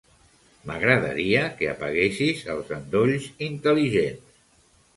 M'agradaria que apaguessis els endolls intel·ligents.